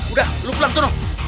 udah lu pulang tom